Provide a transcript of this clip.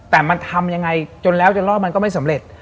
แต่มันทำยังไงจนแล้วจนรอดมันก็ไม่สำเร็จ